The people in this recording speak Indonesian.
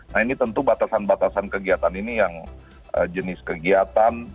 nah ini tentu batasan batasan kegiatan ini yang jenis kegiatan